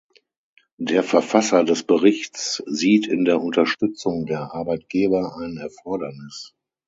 Der Verfasser des Berichts sieht in der Unterstützung der Arbeitgeber ein Erfordernis.